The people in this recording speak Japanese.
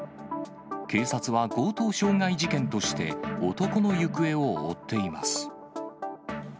警察は強盗傷害事件として、男の行方を追っています。